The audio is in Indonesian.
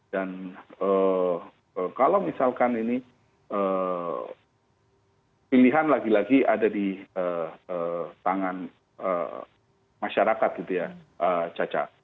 dan kalau misalkan ini pilihan lagi lagi ada di tangan masyarakat gitu ya cacat